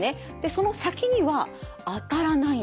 その先には当たらないんです。